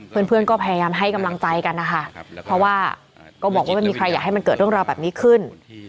เพื่อนก็พยายามให้กำลังใจกันนะคะเพราะว่าก็บอกว่าไม่มีใครอยากให้มันเกิดเรื่องราวแบบนี้ขึ้น